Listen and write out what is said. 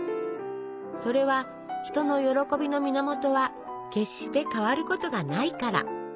それは人の喜びの源は決して変わることがないから。